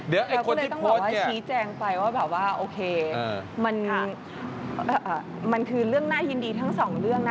เดี๋ยวคนที่โพสต์มันคือเรื่องน่ายินดีทั้งสองเรื่องนะ